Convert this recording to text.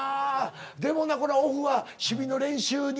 でもオフは守備の練習に。